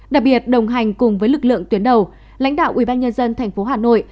đặc biệt đồng hành cùng với lực lượng tuyến đầu lãnh đạo ubnd thành phố hà nội